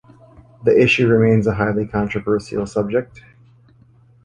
The issue remains a highly controversial subject.